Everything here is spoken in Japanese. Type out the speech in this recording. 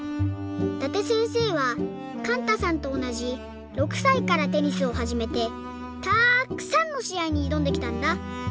伊達せんせいはかんたさんとおなじ６さいからテニスをはじめてたくさんのしあいにいどんできたんだ。